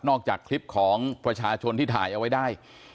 จากคลิปของประชาชนที่ถ่ายเอาไว้ได้